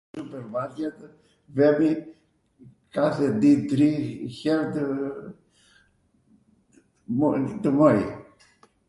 ...vemi kathe di tri here tw... tw moli.